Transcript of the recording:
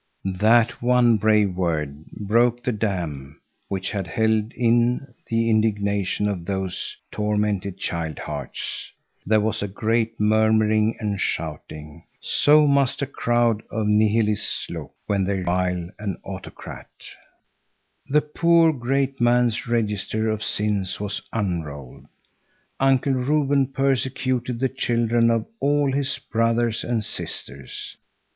That one brave word broke the dam which had held in the indignation of those tormented child hearts. There was a great murmuring and shouting. So must a crowd of nihilists look when they revile an autocrat. The poor, great man's register of sins was unrolled. Uncle Reuben persecuted the children of all his brothers and sisters.